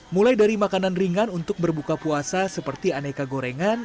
mulai dari makanan ringan untuk berbuka puasa seperti aneka gorengan